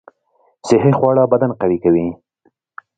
صحي خواړه بدن قوي کوي